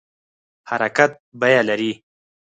حرکت بیه لري